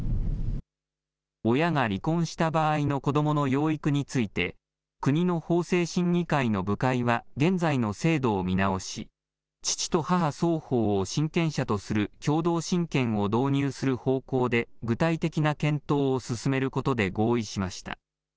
親が離婚した場合の子どもの養育について、国の法制審議会の部会は現在の制度を見直し、父と母双方を親権者とする、共同親権を導入する方向で具体的な検討を進めることで合意しました。